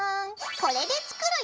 これで作るよ。